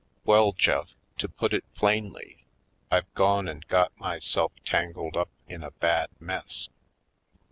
,., Well, Jeff, to put it plain ly, I've gone and got myself tangled up in a bad mess."